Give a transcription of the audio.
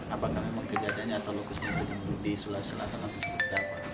apakah memang kejadiannya atau lokusnya itu di sulawesi selatan langsung terdapat